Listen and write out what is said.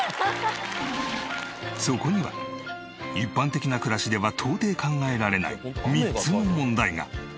そこには一般的な暮らしでは到底考えられない３つの問題が。